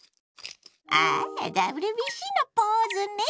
ああＷＢＣのポーズね！